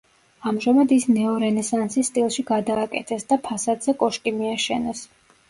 ამჟამად ის ნეორენესანსის სტილში გადააკეთეს და ფასადზე კოშკი მიაშენეს.